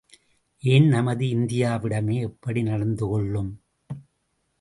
ஏன் நமது இந்தியாவிடமே எப்படி நடந்து கொள்ளும்?